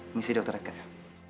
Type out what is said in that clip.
ini si dokter regar ya